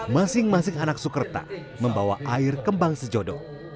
masing masing anak sukerta membawa air kembang sejodo